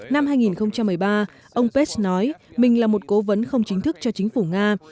năm hai nghìn một mươi ba ông pes nói mình là một cố vấn không chính thức cho chính phủ nga